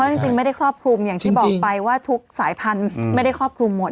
จริงไม่ได้ครอบคลุมอย่างที่บอกไปว่าทุกสายพันธุ์ไม่ได้ครอบคลุมหมด